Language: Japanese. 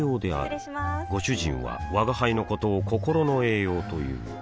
失礼しまーすご主人は吾輩のことを心の栄養という